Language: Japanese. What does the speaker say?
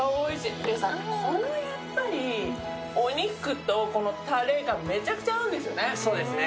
このお肉とたれがめちゃくちゃ合うんですよね。